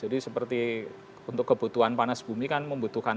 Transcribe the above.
jadi seperti untuk kebutuhan panas bumi kan membutuhkan